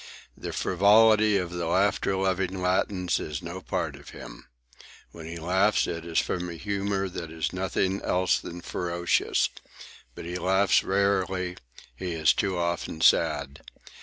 The frivolity of the laughter loving Latins is no part of him. When he laughs it is from a humour that is nothing else than ferocious. But he laughs rarely; he is too often sad.